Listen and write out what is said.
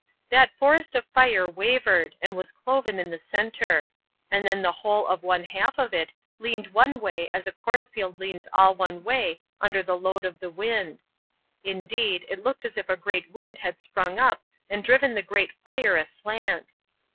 That forest of fire wavered, and was cloven in the centre; and then the whole of one half of it leaned one way as a cornfield leans all one way under the load of the wind. Indeed, it looked as if a great wind had sprung up and driven the great fire aslant.